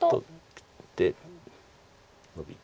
切ってノビて。